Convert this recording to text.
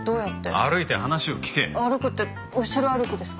歩くって後ろ歩きですか？